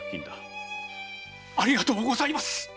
ありがとうございます！